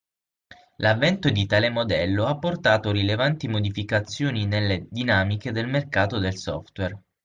L'avvento di tale modello ha portato rilevanti modificazioni nelle dinamiche del mercato del software.